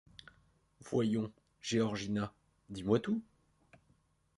Voyons, Georgina, dis-moi tout.